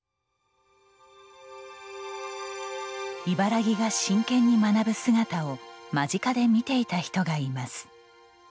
茨木が真剣に学ぶ姿を間近で見ていた人がいます。